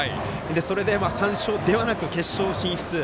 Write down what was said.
それで３勝ではなく決勝進出。